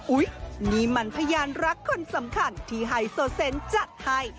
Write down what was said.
นี่มันพยานรักคนสำคัญที่ไฮโซเซนจัดให้